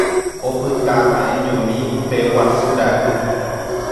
Opyta ha'eñomi upe guasu ra'y.